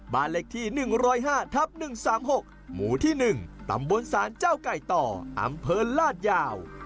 บ้านเลขที่๑๐๕ทับ๑๓๖หมู่ที่๑ตำบลศาลเจ้าไก่ต่ออำเภอลาดยาว